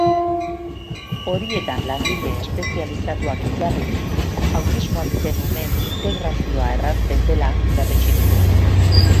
Horietan langile espezializatuak jarriz, autismoa duten umeen integrazioa errazten dela berretsi dute.